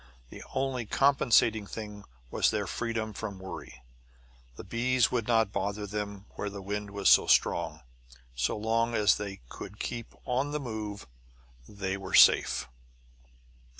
The only compensating thing was their freedom from worry; the bees would not bother them where the wind was so strong. So long as they could keep on the move they were safe.